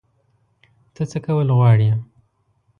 ته څه کول غواړې؟